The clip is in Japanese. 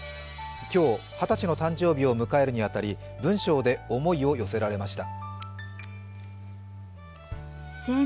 今日、二十歳の誕生日を迎えるに当たり文章で思いを寄せられました。